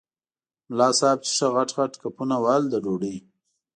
ملا صاحب چې ښه غټ غټ کپونه وهل د ډوډۍ.